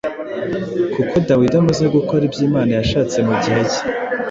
Kuko Dawidi amaze gukora ibyo Imana yashatse mu gihe cye,